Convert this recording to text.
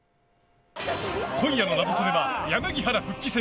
「今夜はナゾトレ」は柳原復帰戦。